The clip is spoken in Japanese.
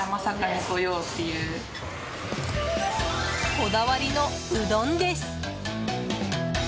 こだわりのうどんです。